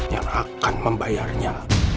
yang akan membayarnya